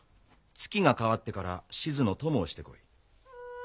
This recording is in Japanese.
月が替わってから志津の供をしてこい。